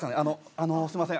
あのすいません